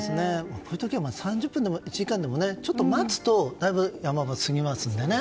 降る時は３０分でも１時間でもちょっと待つとだいぶ待つと山場が過ぎますので。